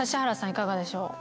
いかがでしょう。